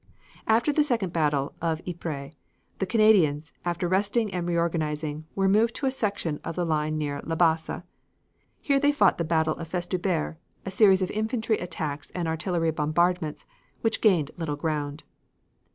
After the second battle of Ypres, the Canadians after resting and re organization, were moved to a section of the line near LaBassee. Here they fought the battle of Festubert a series of infantry attacks and artillery bombardments, which gained little ground.